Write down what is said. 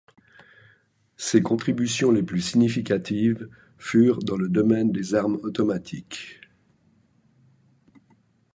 Ses contributions les plus significatives furent dans le domaine des armes automatiques.